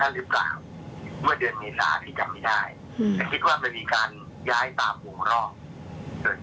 หรือเข้ามามีโทรศัพท์ภายในน้ำคราวถูกเสื้อ